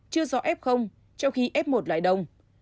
chưa rõ f trong khi f một lại đông